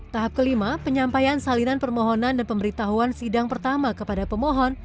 tahap kelima penyampaian salinan permohonan dan pemberitahuan sidang pertama kepada pemohon